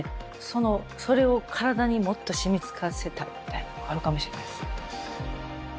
そのそれを体にもっと染みつかせたいみたいなのがあるかもしれないです。